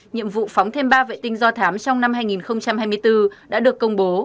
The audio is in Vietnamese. nhiệm vụ phóng thêm ba vệ tinh do thám trong năm hai nghìn hai mươi bốn đã được công bố